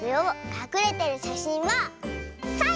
かくれてるしゃしんはサイ！